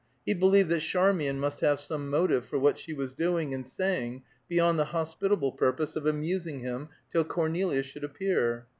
He believed that Charmian must have some motive for what she was doing and saying beyond the hospitable purpose of amusing him till Cornelia should appear.